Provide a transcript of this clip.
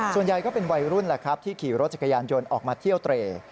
ส่วนใหญ่ก็เป็นวัยรุ่นแหละครับที่ขี่รถจักรยานยนต์ออกมาเที่ยวเตร